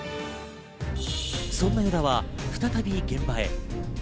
そんな依田は再び現場へ。